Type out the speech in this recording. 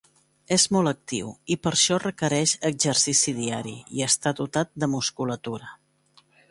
És molt actiu, i per això requereix exercici diari, i està dotat de musculatura.